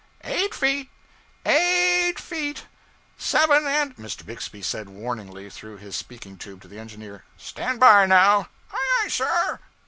E i g h t feet!.... E i g h t feet!.... Seven and ' Mr. Bixby said warningly through his speaking tube to the engineer 'Stand by, now!' 'Aye aye, sir!'